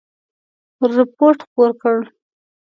رپوټ خپور کړ.